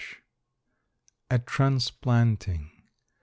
A TRANSPLANTING.